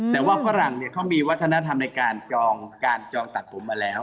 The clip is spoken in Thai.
แต่ว่าฝรั่งเขามีวัฒนธรรมในการจองการจองตัดผมมาแล้ว